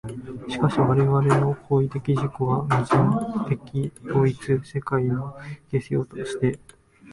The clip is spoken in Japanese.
しかし我々の行為的自己は、矛盾的自己同一的世界の形成要素として、